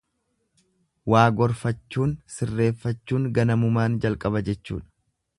Waa gorfachuun, sirreefachuun, ganamumaan jalqaba jechuudha.